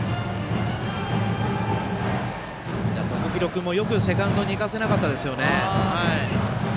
徳弘君もよくセカンドに行かせなかったですよね。